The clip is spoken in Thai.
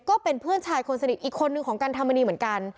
ก็เป็นเพื่อนชายคนสนิทอีกคนนึงของกันธรรมนีเหมือนกัน